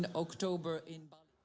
di oktober di bali